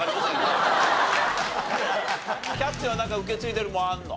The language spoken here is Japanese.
キャプテンはなんか受け継いでるものあるの？